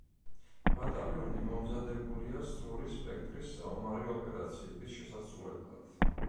ბატალიონი მომზადებულია სრული სპექტრის საომარი ოპერაციების შესასრულებლად.